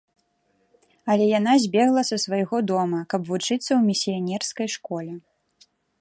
Але яна збегла са свайго дома, каб вучыцца ў місіянерскай школе.